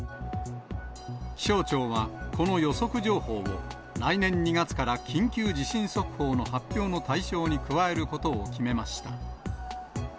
気象庁は、この予測情報を、来年２月から緊急地震速報の発表の対象に加えることを決めました。